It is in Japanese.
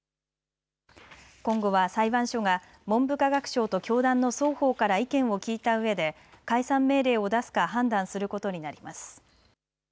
今後は裁判所が文部科学省と教団の双方から意見を聴いたうえで解散命令を出すか判断することになります。